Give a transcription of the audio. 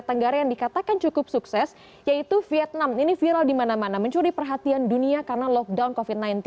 tenggara yang dikatakan cukup sukses yaitu vietnam ini viral di mana mana mencuri perhatian dunia karena lockdown covid sembilan belas